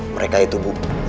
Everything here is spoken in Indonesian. mereka itu bu